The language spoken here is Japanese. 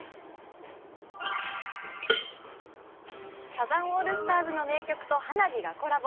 サザンオールスターズの名曲と花火がコラボ。